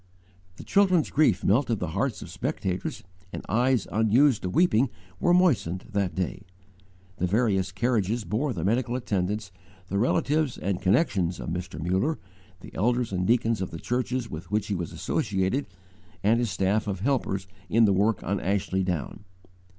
The children's grief melted the hearts of spectators, and eyes unused to weeping were moistened that day. The various carriages bore the medical attendants, the relatives and connections of Mr. Muller, the elders and deacons of the churches with which he was associated, and his staff of helpers in the work on Ashley Down.